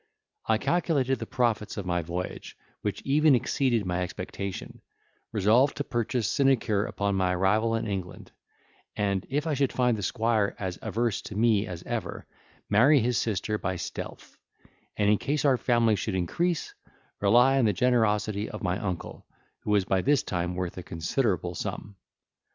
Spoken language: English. I calculated the profits of my voyage, which even exceeded my expectation; resolved to purchase sinecure upon my arrival in England, and if I should find the squire as averse to me as ever, marry his sister by stealth; and in case our family should increase, rely on the generosity of my uncle, who was by this time worth a considerable sum.